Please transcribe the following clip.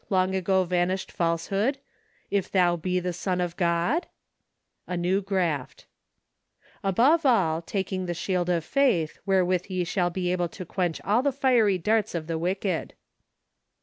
long ago vanished false¬ hood, " If thou be the Son of God ?" A New Graft, " Above all , taking the shield of faith, wherewith ye shall be able to quench all the fiery darts of the wicked